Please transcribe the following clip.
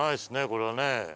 これはね。